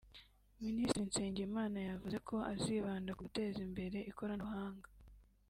Minisitiri Nsengimana yavuze ko azibanda ku guteza imbere ikoranabuhanga